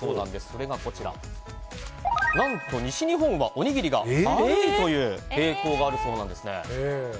それがこちら何と西日本はおにぎりが丸いという傾向があるそうです。